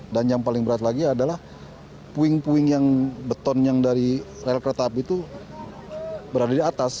dan yang paling berat lagi adalah puing puing yang beton yang dari rel kereta api itu berada di atas